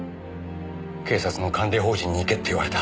警察の関連法人に行けって言われた。